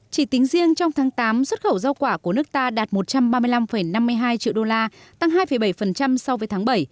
chỉ tính riêng trong tháng tám xuất khẩu rau quả của nước ta đạt một trăm ba mươi năm năm mươi hai triệu đô la tăng hai bảy so với tháng bảy